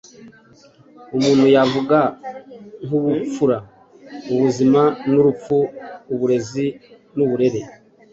umuntu yavuga nk’ ubupfura, ubuzima n’urupfu, uburezi n’uburere,